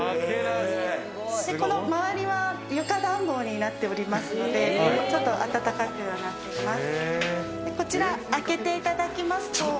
周りは床暖房になっていますので、ちょっと暖かくなっています。